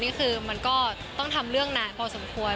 นี่คือมันก็ต้องทำเรื่องนานพอสมควร